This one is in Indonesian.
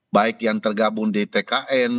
baik yang tergabung di tkn